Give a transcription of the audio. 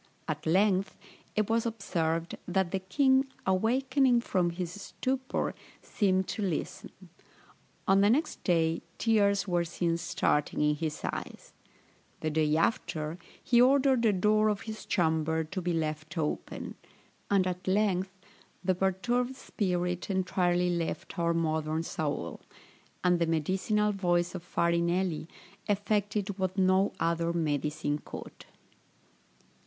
At length, it was observed, that the king, awakening from his stupor, seemed to listen; on the next day tears were seen starting in his eyes; the day after he ordered the door of his chamber to be left open and at length the perturbed spirit entirely left our modern Saul, and the medicinal voice of Farinelli effected what no other medicine could.